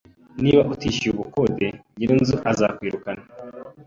Niba utishyuye ubukode, nyirinzu azakwirukana.